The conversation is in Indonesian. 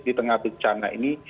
di tengah bencana ini